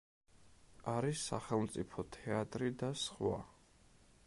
არის სახელმწიფო თეატრი და სხვა.